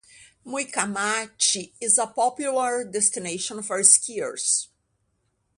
Muikamachi is a popular destination for skiers.